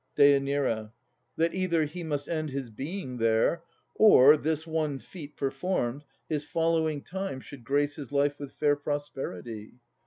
DÊ. That either he must end his being there, Or, this one feat performed, his following time Should grace his life with fair prosperity.